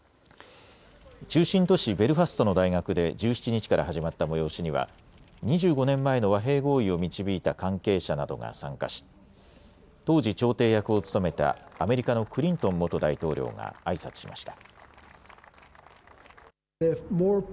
中心都市ベルファストの大学で１７日から始まった催しには２５年前の和平合意を導いた関係者などが参加し当時、調停役を務めたアメリカのクリントン元大統領があいさつしました。